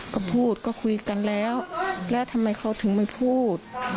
ก็พูดก็คุยกันแล้วแล้วทำไมเขาถึงไม่พูด